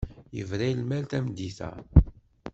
Yebra i lmal tameddit-a.